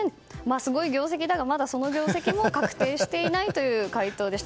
すごい業績だが、まだその業績も確定していないという回答でした。